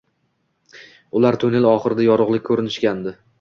Ular tunnel oxirida yorug`lik ko`rishgandi